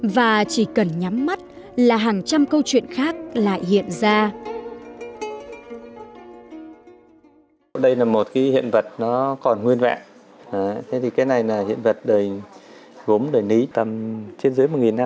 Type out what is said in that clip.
và chỉ cần nhắm mắt là hàng trăm câu chuyện khác lại hiện ra